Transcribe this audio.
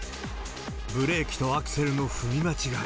ブレーキとアクセルの踏み間違い。